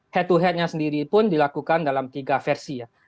head to headnya sendiri pun dilakukan dalam tiga versi ya